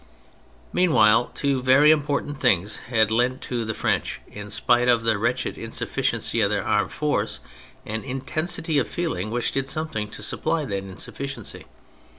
Meanwhile two very important things had lent to the French, in spite of the wretched insufficiency of their armed force, an intensity of feeling which did something to supply that insufficiency.